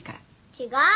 違う！